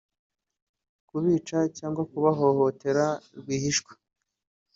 kubica cyangwa kubahohotera rwihishwa